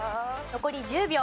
残り１０秒。